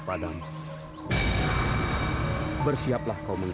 yea arah balasia kembali ke surat